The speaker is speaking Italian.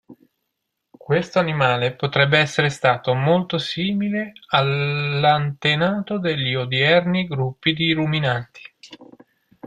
Questo animale potrebbe essere stato molto simile all'antenato degli odierni gruppi di ruminanti.